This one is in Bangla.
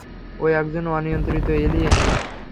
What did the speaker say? ও একজন অনিয়ন্ত্রিত এলিয়েন।